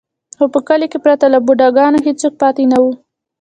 خو په کلي کې پرته له بوډا ګانو هېڅوک پاتې نه و.